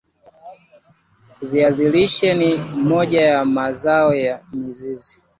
Viazi lishe ni moja ya mazao ya mizizi